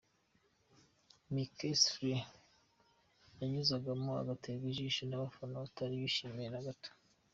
McKinstry yanyuzagamo agaterera ijisho mu bafana, batari bishimye na gato.